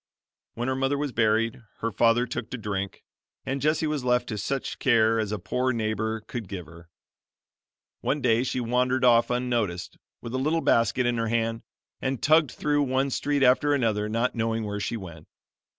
When her mother was buried, her father took to drink, and Jessie was left to such care as a poor neighbor could give her. One day she wandered off unnoticed, with a little basket in her hand, and tugged through one street after another, not knowing where she went.